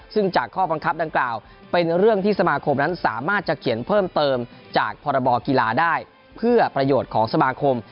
ซึ่งจากข้อบังคับดังกล่าวเป็นเรื่องที่สมาคมนั้นสามารถจะเขียนเพิ่มเติมจากพรบกีฬาได้เพื่อประโยชน์ของสมาคม